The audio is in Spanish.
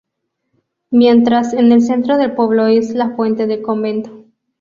Mientras, en el centro del pueblo, está la fuente del Convento.